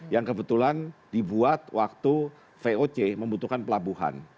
yang kebetulan dibuat waktu voc membutuhkan pelabuhan